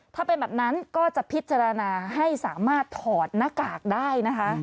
ถ้าเป็นแบบนั้นก็จะพิจารณาให้สามารถถอดหน้ากากได้นะคะ